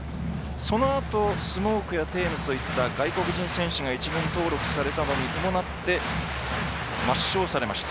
そのあとスモークやテームズといった選手が外国人選手が一軍登録されたのに伴って抹消されました。